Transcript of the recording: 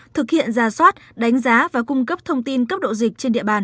thực hiện ra soát đánh giá và cung cấp thông tin cấp độ dịch trên địa bàn